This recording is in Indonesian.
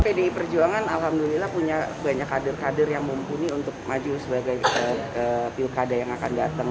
pdi perjuangan alhamdulillah punya banyak kader kader yang mumpuni untuk maju sebagai pilkada yang akan datang